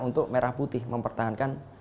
untuk merah putih mempertahankan